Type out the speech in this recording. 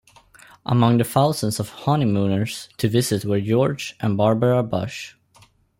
Among the thousands of honeymooners to visit were George and Barbara Bush.